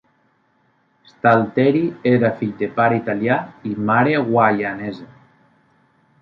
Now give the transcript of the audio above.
Stalteri era fill de pare italià i mare guaianesa.